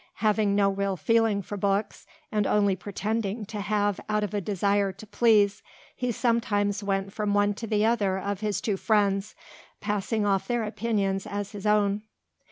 Having no real feeling for books, and only pretending to have out of a desire to please, he sometimes went from one to the other of his two friends, passing off their opinions as his own.